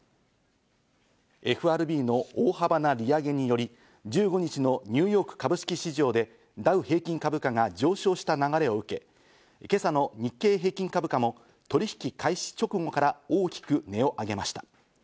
ＦＲＢの大幅な利上げにより、１５日のニューヨーク株式市場で、ダウ平均株価が上昇した流れを受け、今朝の日経平均株価も取引開始直後から大きく値を上げました。